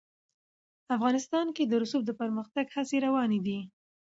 افغانستان کې د رسوب د پرمختګ هڅې روانې دي.